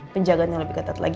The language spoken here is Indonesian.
penjagaan yang lebih ketat lagi